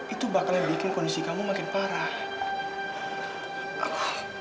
itu bakalan bikin kondisi kamu makin parah